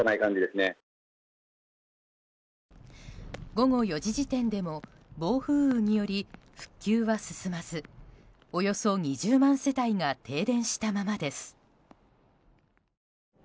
午後４時時点でも暴風雨により復旧は進まずおよそ２０万世帯が停電したままです。